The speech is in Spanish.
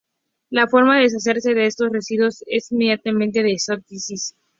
La forma de deshacerse de estos residuos es mediante la exocitosis.